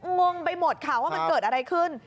งงไปหมดค่ะว่ามันเกิดอะไรขึ้น